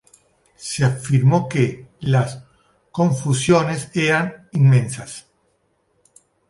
Se afirmó que "Las confusiones eran inmensas.